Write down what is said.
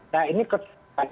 nah ini keadaan